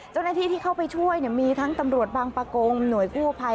เจ้าหน้าที่ที่เข้าไปช่วยมีทั้งตำรวจบางประกงหน่วยกู้ภัย